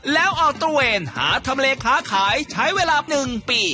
แล้วออกตระเวนหาทำเลค้าขายใช้เวลา๑ปี